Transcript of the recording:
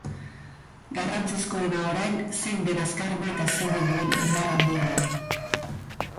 Garrantzizkoena orain, zein den azkarrena eta zeinek duen indar handiena.